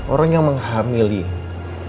orang yang menghamilinya